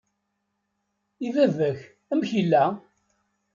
I baba-k, amek yella?